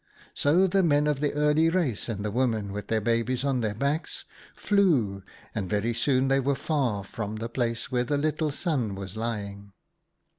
So the Men of the Early Race, and the women with their babies on their backs, flew, and very soon they were far from the place where the little Sun was lying.